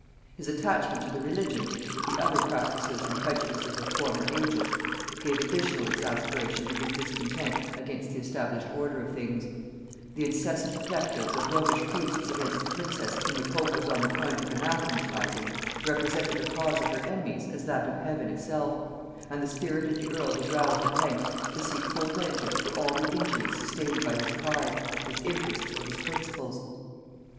His attachment to the religion, with the other practices and prejudices of former ages, gave additional exasperation to his discontent against the established order of things: the incessant invectives of Romish priests against a princess whom the pope was on the point of anathematizing, represented the cause of her enemies as that of Heaven itself; and the spirit of the earl was roused at length to seek full vengeance for all the injuries sustained by his pride, his interests, or his principles.